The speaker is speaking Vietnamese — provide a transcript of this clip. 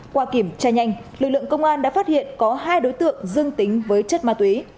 qua kiểm tra nhanh lực lượng công an đã phát hiện có hai đối tượng dương tính với chất ma túy